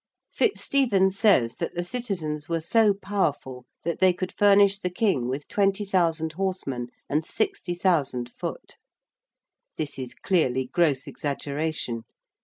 FitzStephen says that the citizens were so powerful that they could furnish the King with 20,000 horsemen and 60,000 foot. This is clearly gross exaggeration.